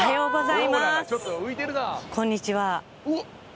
こんにちは。